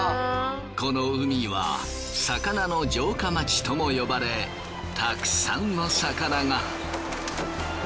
この海は魚の城下町とも呼ばれたくさんの魚が。